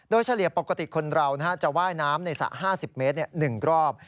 โดยเฉลี่ยปกติคนเราจะว่ายน้ำในสระ๕๐เมตร๑รอบ